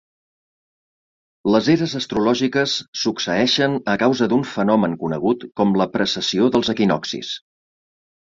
Les eres astrològiques succeeixen a causa d'un fenomen conegut com la precessió dels equinoccis.